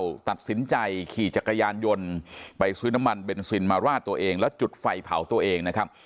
ก็เลยตัดสินใจขี่จักรยานยนต์ไปซื้อน้ำมันเบนซินมาราดตัวเองแล้วจุดไฟเผาตัวเองนะครับ